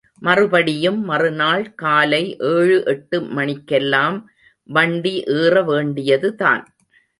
மறுபடியும் மறுநாள் காலை ஏழு எட்டு மணிக்கெல்லாம் வண்டி ஏறவேண்டியதுதான்.